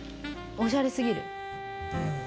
おしゃれ過ぎる。